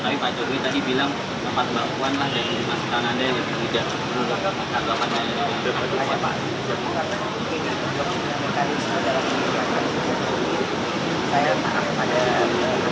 tapi pak jokowi tadi bilang tempat bangkuan lah yang di masjid kanan dia yang lebih hijau